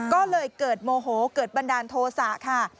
ก็เลยเกิดโมโหเกิดบันดาลโทษะค่ะ